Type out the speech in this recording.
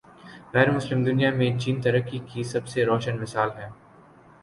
غیر مسلم دنیا میں چین ترقی کی سب سے روشن مثال ہے۔